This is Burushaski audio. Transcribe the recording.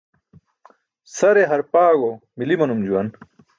Sare harpaẏo mili manum juwan.